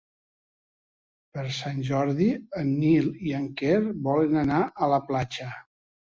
Per Sant Jordi en Nil i en Quer volen anar a la platja.